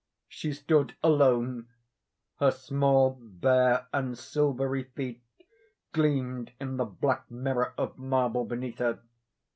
She stood alone. Her small, bare, and silvery feet gleamed in the black mirror of marble beneath her.